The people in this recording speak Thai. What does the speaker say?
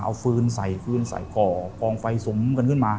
เอาฟืนใส่ฟืนใส่ก่อกองไฟสุมกันขึ้นมา